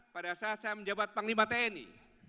pada saat saya menjabat panglima tni